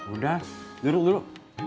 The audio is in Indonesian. udah duduk dulu